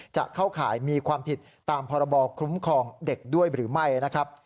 จะเข้าข่ายมีความผิดตามพรบคุ้มครองเด็กด้วยหรือไม่นะครับ